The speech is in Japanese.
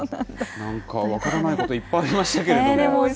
なんか分からないこと、いっぱいありましたけども。